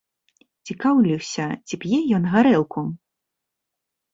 Цікаўлюся, ці п'е ён гарэлку.